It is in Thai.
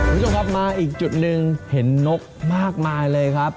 คุณผู้ชมครับมาอีกจุดหนึ่งเห็นนกมากมายเลยครับ